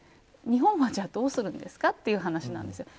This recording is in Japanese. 日本はじゃあどうするんですかという話です。